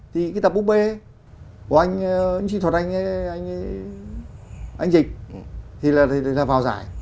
thì cái tập búp bê của anh truyền thuật anh dịch thì là vào giải